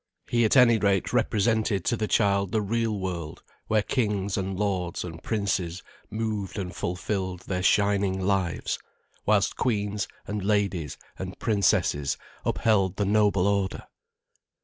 He at any rate represented to the child the real world, where kings and lords and princes moved and fulfilled their shining lives, whilst queens and ladies and princesses upheld the noble order.